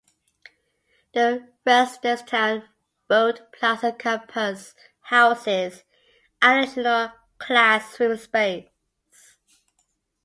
The Reisterstown Road Plaza Campus houses additional classroom space.